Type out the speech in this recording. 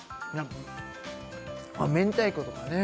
明太子とかね